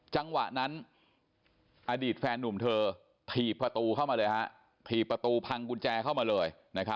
จังหวะนั้นอดีตแฟนนุ่มเธอถีบประตูเข้ามาเลยถีบประตูพังกุญแจเข้ามาเลย